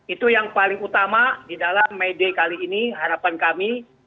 itu yang paling utama di dalam may day kali ini harapan kami